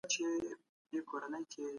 خلک نه سي کولای چي په لوړه بیه توکي واخلي.